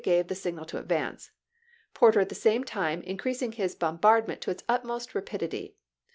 ' gave the signal to advance, Porter at the same time April .«»,?.^.' 1*52. mcreasmg his bombardment to its utmost rapidity.